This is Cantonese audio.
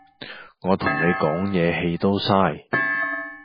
我同你講嘢氣都嘥